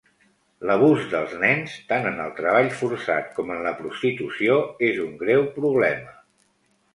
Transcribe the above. L'abús dels nens, tant en el treball forçat com en la prostitució, és un greu problema.